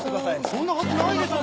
そんなはずないでしょ？